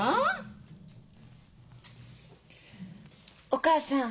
お母さん。